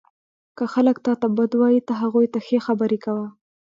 • که خلک تا ته بد وایي، ته هغوی ته ښې خبرې وکړه.